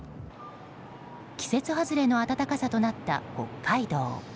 季節外れの暖かさとなった北海道。